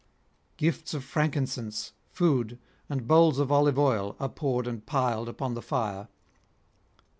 Gifts of frankincense, food, and bowls of olive oil, are poured and piled upon the fire.